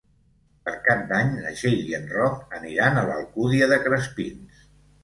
Per Cap d'Any na Txell i en Roc aniran a l'Alcúdia de Crespins.